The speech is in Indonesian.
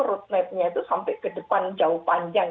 road map nya itu sampai ke depan jauh panjang